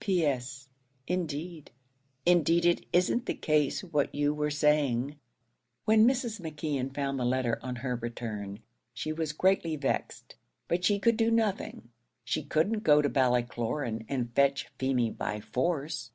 P.S. Indeed indeed it isn't the case, what you were saying. When Mrs. McKeon found the letter on her return, she was greatly vexed; but she could do nothing; she couldn't go to Ballycloran and fetch Feemy by force.